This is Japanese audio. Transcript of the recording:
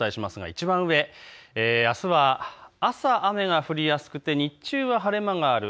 あすは朝、雨が降りやすくて日中は晴れ間がある。